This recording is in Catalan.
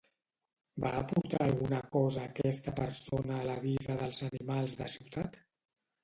Va aportar alguna cosa aquesta persona a la vida dels animals de ciutat?